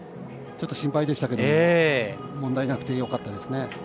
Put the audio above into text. ちょっと心配でしたが問題なくてよかったですね。